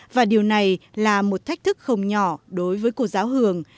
và điều này là một thách thức không nhỏ đối với cô giáo hường